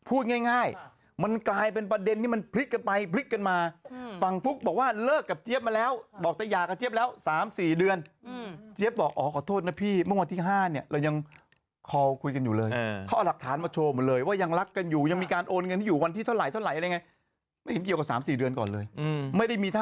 พูดง่ายมันกลายเป็นประเด็นที่มันพลิกกันไปพลิกกันมาฝั่งฟุ๊กบอกว่าเลิกกับเจี๊ยบมาแล้วบอกจะหย่ากับเจี๊ยบแล้ว๓๔เดือนเจี๊ยบบอกอ๋อขอโทษนะพี่เมื่อวันที่๕เนี่ยเรายังคอคุยกันอยู่เลยเขาเอาหลักฐานมาโชว์หมดเลยว่ายังรักกันอยู่ยังมีการโอนเงินให้อยู่วันที่เท่าไหรเท่าไหร่อะไรไงไม่เห็นเกี่ยวกับ๓๔เดือนก่อนเลยไม่ได้มีท